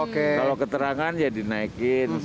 kalau keterangan ya dinaikin